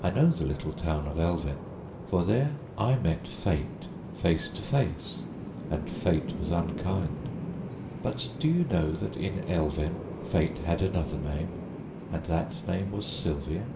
I know the little town of Elven, for there I met Fate face to face and Fate was unkind. But do you know that in Elven Fate had another name, and that name was Sylvia?"